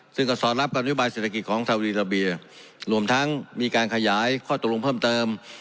ซึ่งก็สอดรับกับนโยบายเศรษฐกิจของสาวดีราเบียรวมทั้งมีการขยายข้อตกลงเพิ่มเติม